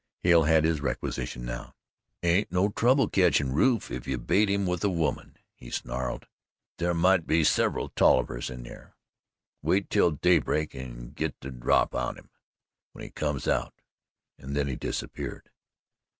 Hale had his requisition now. "Ain't no trouble ketchin' Rufe, if you bait him with a woman," he snarled. "There mought be several Tollivers in thar. Wait till daybreak and git the drap on him, when he comes out." And then he disappeared.